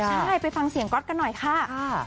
ใช่ไปฟังเสียงก๊อตกันหน่อยค่ะ